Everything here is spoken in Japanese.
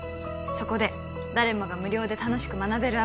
そこで誰もが無料で楽しく学べる